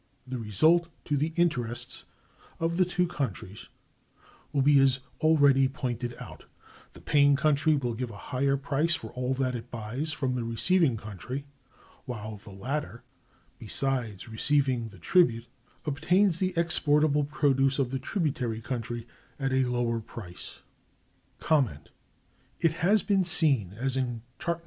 The result to the interests of the two countries will be as already pointed out—the paying country will give a higher price for all that it buys from the receiving country, while the latter, besides receiving the tribute, obtains the exportable produce of the tributary country at a lower price. It has been seen, as in Chart No.